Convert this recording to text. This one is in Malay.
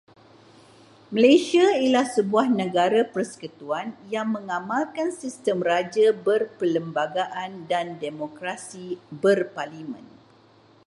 Malaysia ialah sebuah negara persekutuan yang mengamalkan sistem Raja Berperlembagaan dan Demokrasi Berparlimen.